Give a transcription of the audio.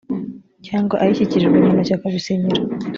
cyangwa ayishyikirijwe mu ntoki akabisinyira